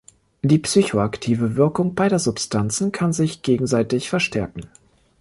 Die psychoaktive Wirkung beider Substanzen kann sich gegenseitig verstärken.